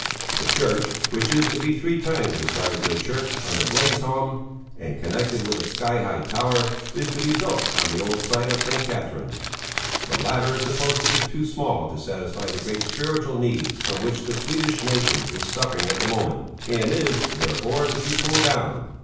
The church, which is to be three times the size of the church on the Blasieholm and connected with a sky high tower, is to be built on the old site of St. Catherine's. The latter is supposed to be too small to satisfy the great spiritual needs from which the Swedish nation is suffering at the moment, and is, therefore, to be pulled down.